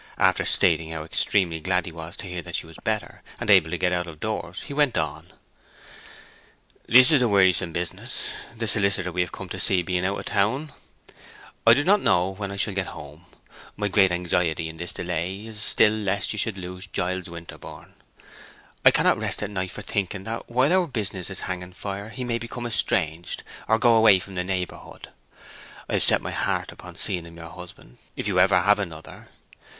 After stating how extremely glad he was to hear that she was better, and able to get out of doors, he went on: "This is a wearisome business, the solicitor we have come to see being out of town. I do not know when I shall get home. My great anxiety in this delay is still lest you should lose Giles Winterborne. I cannot rest at night for thinking that while our business is hanging fire he may become estranged, or go away from the neighborhood. I have set my heart upon seeing him your husband, if you ever have another.